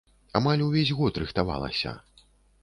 Амаль увесь год рыхтавалася.